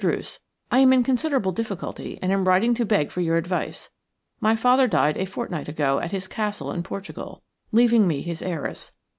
DRUCE, – I am in considerable difficulty and am writing to beg for your advice. My father died a fortnight ago at his castle in Portugal, leaving me his heiress.